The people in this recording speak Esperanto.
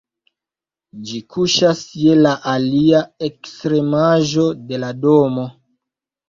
Ĝi kuŝas je la alia ekstremaĵo de la domo.